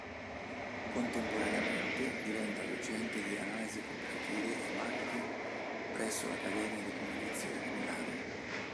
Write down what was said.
Contemporaneamente diventa docente di Analisi Competitive e Marketing presso l'Accademia di Comunicazione di Milano.